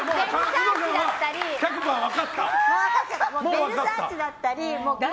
ヴェルサーチだったり。